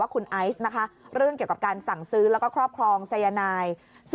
คุณไอส์การสั่งซื้อแล้วครอบครองสายนาย